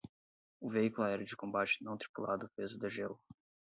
O veículo aéreo de combate não tripulado fez o degelo